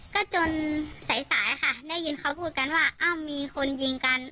ก็จนสายสายค่ะได้ยินเขาพูดกันว่าอ้าวมีคนยิงกัน